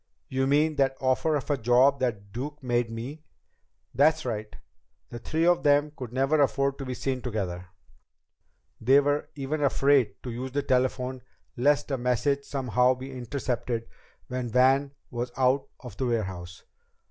"You mean that offer of a job that Duke made me?" "That's right. The three of them could never afford to be seen together. They were even afraid to use the telephone, lest a message somehow be intercepted when Van was out of the warehouse.